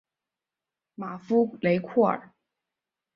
马夫雷库尔。